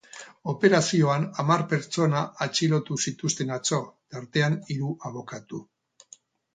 Operazioan hamar pertsona atxilotu zituzten atzo, tartean hiru abokatu.